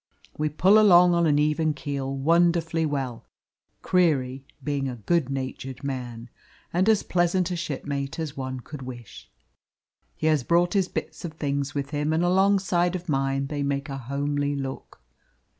We pull along on a even keel wonderfully well, Creary being a good natured man, and as pleasant a shipmate as one could wish. He has brought his bits of things with him, and alongside of mine they make a homely look.